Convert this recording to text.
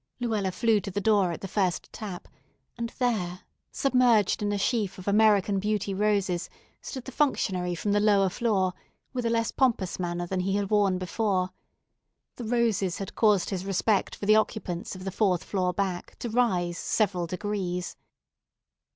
Luella flew to the door at the first tap; and there, submerged in a sheaf of American Beauty roses, stood the functionary from the lower floor, with a less pompous manner than he had worn before. The roses had caused his respect for the occupants of the fourth floor, back, to rise several degrees.